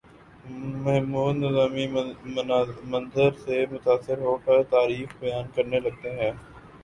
محمود نظامی منظر سے متاثر ہو کر تاریخ بیان کرنے لگتے ہیں